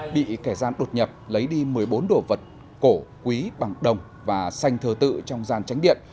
bị kẻ gian đột nhập lấy đi một mươi bốn đồ vật cổ quý bằng đồng và xanh thờ tự trong gian tránh điện